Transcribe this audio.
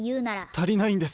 たりないんです。